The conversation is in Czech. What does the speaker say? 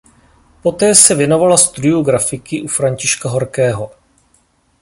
Poté se věnovala studiu grafiky u Františka Horkého.